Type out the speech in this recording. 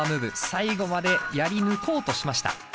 最後までやり抜こうとしました。